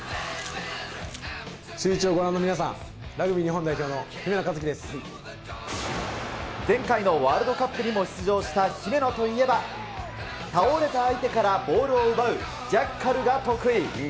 シューイチをご覧の皆さん、前回のワールドカップにも出場した姫野といえば、倒れた相手からボールを奪う、ジャッカルが得意。